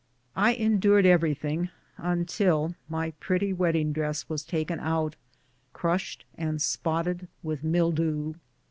I endured everything until my pretty wedding dress was taken out, crushed and spotted 88 BOOTS AND SADDLES. with mildew.